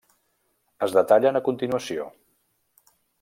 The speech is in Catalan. Es detallen a continuació.